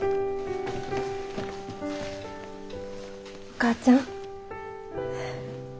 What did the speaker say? お母ちゃん。